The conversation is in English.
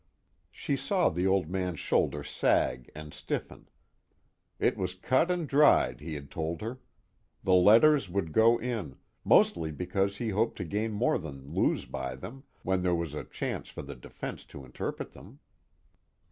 _ She saw the Old Man's shoulder sag and stiffen. It was cut and dried, he had told her: the letters would go in, mostly because he hoped to gain more than lose by them, when there was a chance for the defense to interpret them.